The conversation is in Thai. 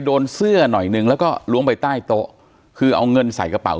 โดนเสื้อหน่อยนึงแล้วก็ล้วงไปใต้โต๊ะคือเอาเงินใส่กระเป๋า